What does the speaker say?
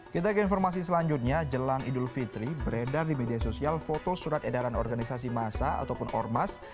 kita ke informasi selanjutnya jelang idul fitri beredar di media sosial foto surat edaran organisasi masa ataupun ormas